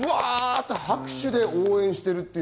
拍手で応援しているっていう。